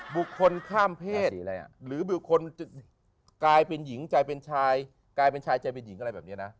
บุคคลข้ามเพศหรือบุคคลกลายเป็นหญิงกลายเป็นชายกลายเป็นชายใจเป็นหญิงอะไรแบบนี้นะ